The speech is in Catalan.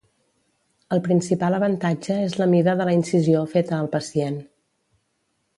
El principal avantatge és la mida de la incisió feta al pacient.